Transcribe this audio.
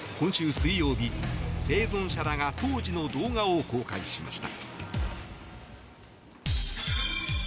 水曜日、生存者らが当時の動画を公開しました。